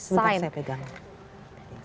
sebentar saya pegang